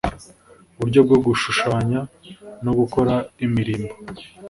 uburyo bwo gushushanya no gukora imirimbo